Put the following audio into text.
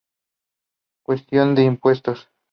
Cuestión de impuestos